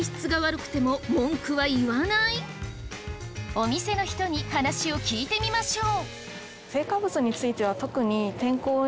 お店の人に話を聞いてみましょう。